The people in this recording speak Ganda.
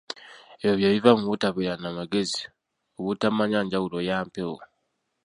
Ebyo bye biva mu butabeera na magezi, obutamanya njawulo ya mpewo.